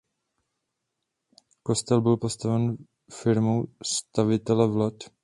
Kostel byl postaven firmou stavitele Vlad.